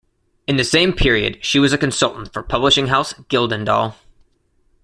In the same period she was a consultant for publishing house Gyldendal.